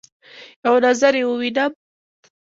یو نظر يې ووینم